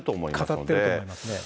語ってると思いますね。